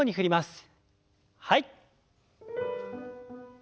はい。